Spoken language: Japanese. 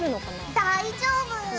大丈夫！